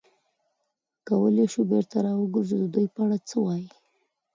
کولای شو بېرته را وګرځو، د دوی په اړه څه وایې؟